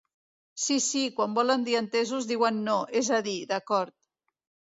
Sí, sí, quan volen dir entesos diuen no, és a dir, d'acord.